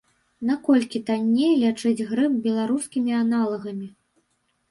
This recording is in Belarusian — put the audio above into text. Наколькі танней лячыць грып беларускімі аналагамі.